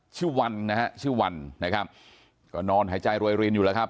ชื่อวันนะฮะชื่อวันนะครับก็นอนหายใจรวยรินอยู่แล้วครับ